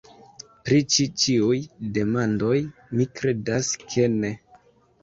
Pri ĉi ĉiuj demandoj, mi kredas ke ne.